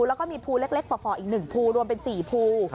แล้วก็มีภูเล็กฝ่ออีก๑ภูรวมเป็น๔ภู